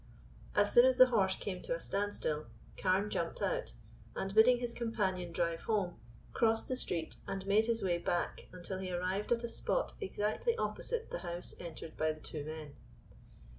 As soon as the horse came to a standstill, Carne jumped out, and, bidding his companion drive home, crossed the street, and made his way back until he arrived at a spot exactly opposite the house entered by the two men.